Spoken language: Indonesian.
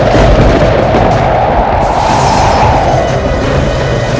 kamu pergi meninggalkan kami